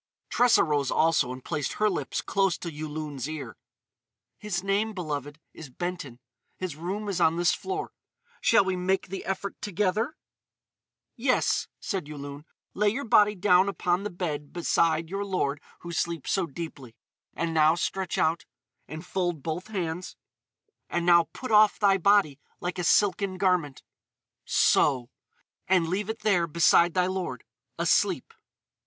Tressa rose also and placed her lips close to Yulun's ear: "His name, beloved, is Benton. His room is on this floor. Shall we make the effort together?" "Yes," said Yulun. "Lay your body down upon the bed beside your lord who sleeps so deeply.... And now stretch out.... And fold both hands.... And now put off thy body like a silken garment.... So! And leave it there beside thy lord, asleep."